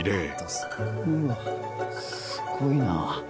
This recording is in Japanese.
すごいな。